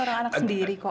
orang anak sendiri kok